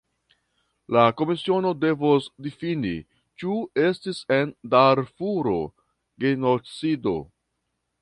La komisiono devos difini, ĉu estis en Darfuro genocido.